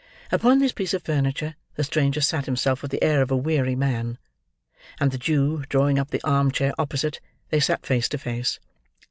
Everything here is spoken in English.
Upon this piece of furniture, the stranger sat himself with the air of a weary man; and the Jew, drawing up the arm chair opposite, they sat face to face.